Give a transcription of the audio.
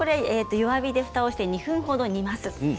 弱火でふたをして２分ほど煮ます。